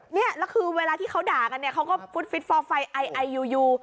เนี่ยแล้วคือเวลาที่เขาด่ากันเนี่ยเขาก็ฟุตฟิตฟอร์ไฟไอไอยู